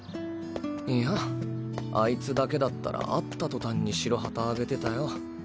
いやあいつだけだったら会った途端に白旗あげてたよ。